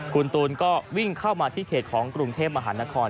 คุณตูนก็วิ่งเข้ามาที่เขตของกรุงเทพมหานคร